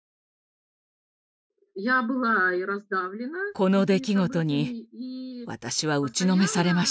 この出来事に私は打ちのめされました。